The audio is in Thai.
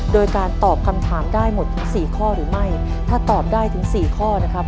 โดยการตอบคำถามได้หมดถึงสี่ข้อหรือไม่ถ้าตอบได้ถึงสี่ข้อนะครับ